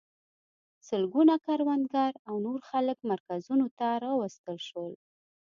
سلګونه کروندګر او نور خلک مرکزونو ته راوستل شول.